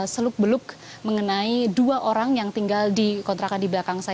seluk beluk mengenai dua orang yang tinggal di kontrakan di belakang saya